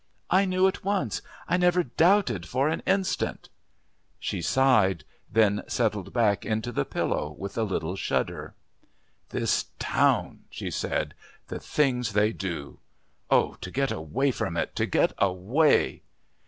"I knew at once. I never doubted for an instant." She sighed; then settled back into the pillow with a little shudder. "This town," she said; "the things they do. Oh! to get away from it, to get away!"